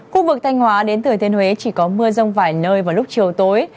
khu vực thanh hóa đến thừa thiên huế chỉ có mưa rông vài nơi vào lúc chiều tối